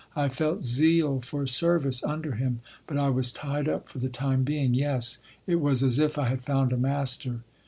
I felt zeal for service under him, but I was tied up for the time being. Yes, it was as if I had found a master.